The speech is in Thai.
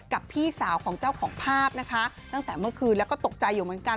พี่สาวของเจ้าของภาพนะคะตั้งแต่เมื่อคืนแล้วก็ตกใจอยู่เหมือนกัน